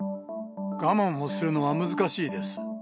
我慢をするのは難しいです。